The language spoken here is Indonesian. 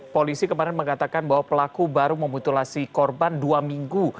polisi kemarin mengatakan bahwa pelaku baru memutulasi korban dua minggu